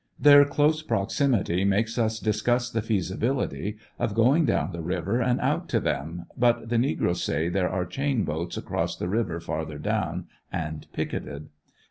Their close proximity makes us discuss the feasibility of going down the river and out to them, but the negroes say there are chain boats across the river farther down, and picketed.